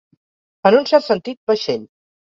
En un cert sentit, vaixell.